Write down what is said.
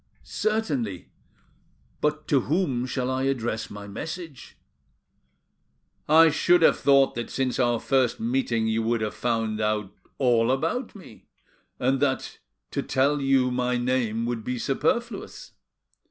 "Certainly. But to whom shall I address my message?" "I should have thought that since our first meeting you would have found out all about me, and that to tell you my name would be superfluous.